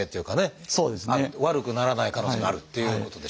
悪くならない可能性もあるっていうことでしょうかね。